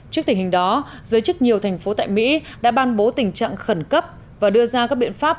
trước tình hình đó giới chức nhiều thành phố tại mỹ đã ban bố tình trạng khẩn cấp và đưa ra các biện pháp